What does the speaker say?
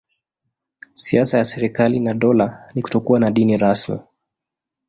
Siasa ya serikali na dola ni kutokuwa na dini rasmi.